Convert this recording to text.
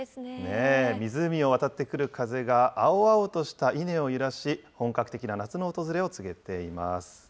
湖を渡ってくる風が青々とした稲を揺らし、本格的な夏の訪れを告げています。